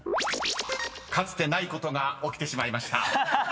［かつてないことが起きてしまいました］